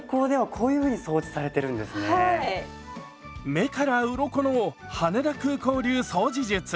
目からうろこの羽田空港流掃除術。